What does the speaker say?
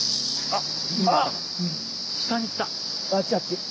あっ！